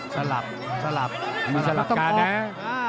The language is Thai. สลับสลับมีสลับการนะ